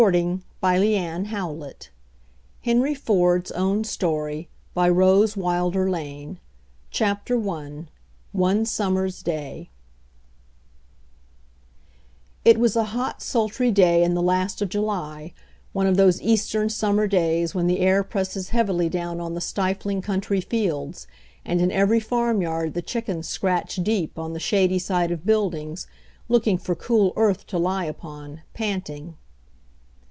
122 129 135 141 147 154 161 167 173 179 HENRY FORD'S OWN STORY CHAPTER I ONE SUMMER'S DAY It was a hot, sultry day in the last of July, one of those Eastern summer days when the air presses heavily down on the stifling country fields, and in every farmyard the chickens scratch deep on the shady side of buildings, looking 1 for cool earth to lie upon, panting.